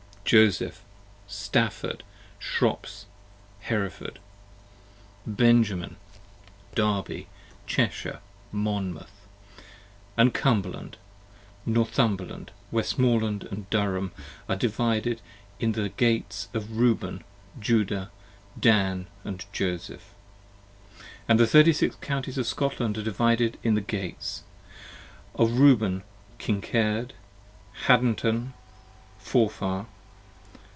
Joseph, Stafford, Shrops, Heref. Benjamin, Derby, Cheshire, Monmouth. 50 And Cumberland, Northumberland, Westmoreland & Durham are Divided in the (the) Gates of Reuben, Judah, Dan & Joseph. And the Thirty six Counties of Scotland, divided in the Gates : Of Reuben, Kincard, Haddntn, Forfar.